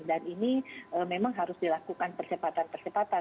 dan ini memang harus dilakukan percepatan percepatan